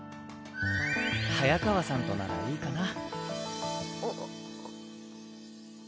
早川さんとならいいかな。